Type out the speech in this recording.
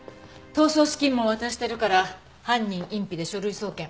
逃走資金も渡してるから犯人隠避で書類送検。